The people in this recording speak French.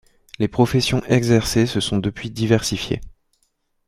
Les professions exercées se sont depuis diversifiées.